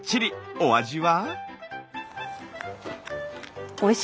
お味は？